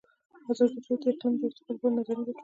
ازادي راډیو د اقلیم د ارتقا لپاره نظرونه راټول کړي.